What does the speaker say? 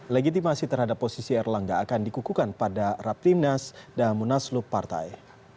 legitimasi terhadap posisi erlangga akan dikukukan pada rap timnas dan munaslu partai